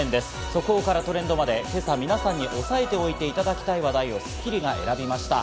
速報からトレンドまで今朝、皆さんに押さえておいていただきたい話題を『スッキリ』が選びました。